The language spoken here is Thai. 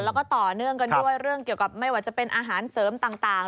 แล้วก็ต่อเนื่องกันด้วยเรื่องเกี่ยวกับไม่ว่าจะเป็นอาหารเสริมต่าง